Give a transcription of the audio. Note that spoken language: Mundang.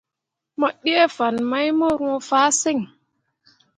Mo ɗee fan mai mu roo fah siŋ.